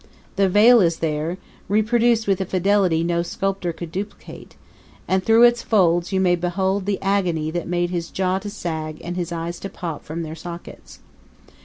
The veil is there, reproduced with a fidelity no sculptor could duplicate, and through its folds you may behold the agony that made his jaw to sag and his eyes to pop from their sockets.